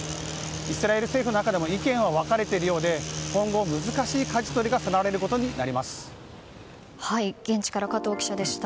イスラエル政府の中でも意見は分かれているようで今後、難しいかじ取りが現地から加藤記者でした。